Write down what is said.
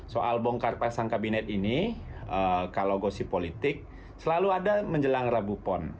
soal bongkar pasang kabinet ini kalau gosip politik selalu ada menjelang rabu pon